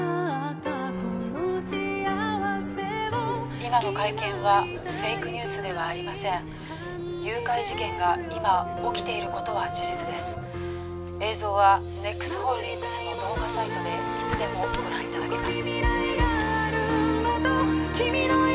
今の会見はフェイクニュースではありません誘拐事件が今起きていることは事実です映像はＮＥＸホールディングスの動画サイトでいつでもご覧いただけます